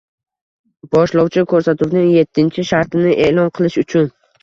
Boshlovchi ko‘rsatuvni yetinchi shartini e’lon qilish uchun